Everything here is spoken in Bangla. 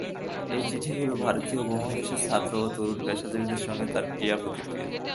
এই চিঠিগুলো ভারতীয় উপমহাদেশের ছাত্র ও তরুণ পেশাজীবীদের সঙ্গে তাঁর ক্রিয়া প্রতিক্রিয়া।